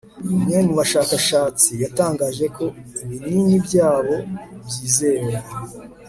umwe mu bashakashatsi, yatangaje ko ibinini byabo byizewe